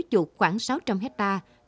trục khoảng sáu trăm linh hectare